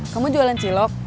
kamu jualan cilok